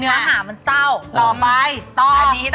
รู้จักไหม